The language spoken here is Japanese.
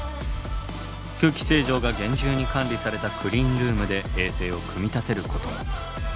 空気清浄が厳重に管理されたクリーンルームで衛星を組み立てることも。